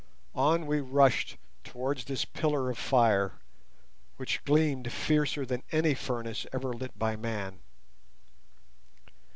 On we rushed towards this pillar of fire, which gleamed fiercer than any furnace ever lit by man.